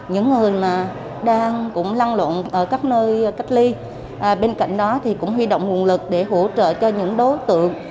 những người đang cũng lăn luận ở các nơi cách ly bên cạnh đó thì cũng huy động nguồn lực để hỗ trợ cho những đối tượng